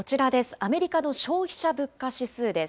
アメリカの消費者物価指数です。